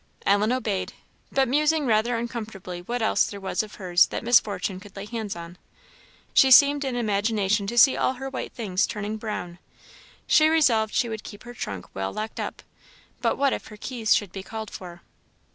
Ellen obeyed, but musing rather uncomfortably what else there was of hers that Miss Fortune could lay hands on. She seemed in imagination to see all her white things turning brown. She resolved she would keep her trunk well locked up; but what if her keys should be called for?